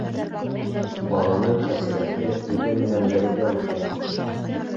Баланың хәсрәте үҙе менән бергә үҫә.